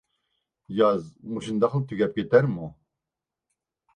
ياز مۇشۇنداقلا تۈگەپ كېتەرمۇ؟